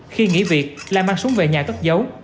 khi nghỉ việc lan mang súng về nhà cất giấu